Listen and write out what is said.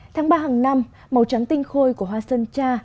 tháng ba hàng năm màu trắng tinh khôi của hoa sơn cha